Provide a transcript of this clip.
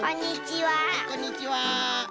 はいこんにちは。